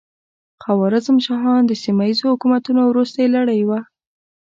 خوارزم شاهان د سیمه ییزو حکومتونو وروستۍ لړۍ وه.